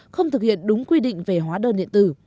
không thực hiện đúng quy định về hóa đơn điện tử